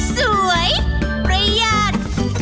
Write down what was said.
สวยประหยัด